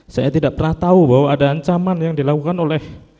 saya tidak pernah tahu bahwa ada ancaman yang dilakukan oleh